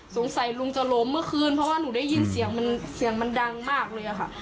สงสัยลุงจะล้มเมื่อคืนเพราะว่าหนูได้ยินเสียงมันเสียงมันดังมากเลยอะค่ะ